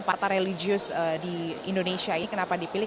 kepala religious di indonesia ini kenapa dipilih